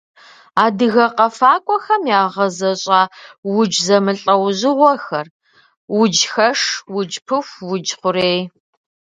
Адыгэ къэфакӏуэхэм ягъэзащӏэ удж зэмылӏэужьыгъуэхэр: уджхэш, удж пыху, удж хъурей.